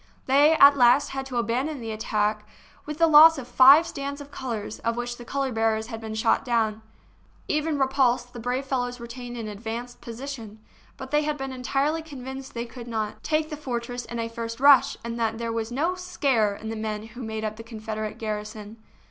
They at last had to abandon the attack with the loss of five stands of colors, of which the color bearers had been shot down. Even repulsed, the brave fellows retained an advanced position; but they had been entirely convinced they could not THE BOOK OF FAMOUS SIEGES take the fortresses in a first rush, and that there was no " scare " in the men who made up the Con federate garrison.